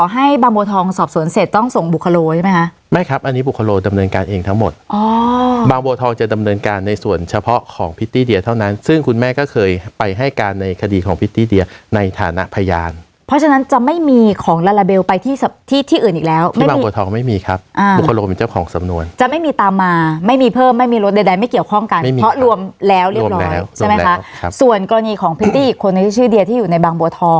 ให้การในคดีของพิธีเดียในฐานะพยานเพราะฉะนั้นจะไม่มีของลาลาเบลไปที่ที่ที่อื่นอีกแล้วที่บางบัวทองไม่มีครับอ่าบุคโลเป็นเจ้าของสำนวนจะไม่มีตามมาไม่มีเพิ่มไม่มีลดใดใดไม่เกี่ยวข้องกันเพราะรวมแล้วเรียบร้อยรวมแล้วใช่ไหมคะครับส่วนกรณีของพิธีอีกคนในชื่อเดียที่อยู่ในบางบ